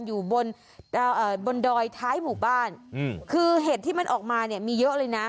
อยู่บนบนดอยท้ายหมู่บ้านอืมคือเห็ดที่มันออกมาเนี่ยมีเยอะเลยนะ